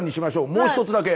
もう一つだけ。